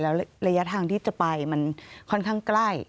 แล้วระยะทางที่จะไปมันค่อนข้างใกล้